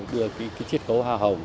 đưa chiếc cấu hoa hồng